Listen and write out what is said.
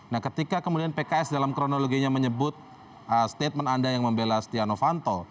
nah ketika kemudian pks dalam kronologinya menyebut statement anda yang membela stiano fanto